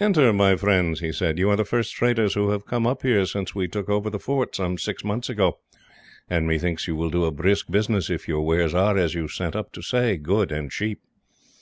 "Enter, my friends," he said. "You are the first traders who have come up here since we took over the fort, some six months ago, and methinks you will do a brisk business if your wares are, as you sent up to say, good and cheap."